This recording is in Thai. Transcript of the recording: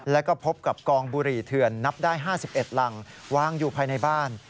แล้วก็พบกับกองบุหรี่เถื่อนนับได้๕๑รังวางอยู่ภายในบ้าน